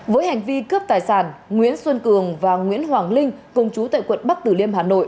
với hành vi cướp tài sản nguyễn xuân cường và nguyễn hoàng linh cùng chú tại quận bắc tử liêm hà nội